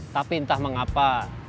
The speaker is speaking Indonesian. tapi entah mengapa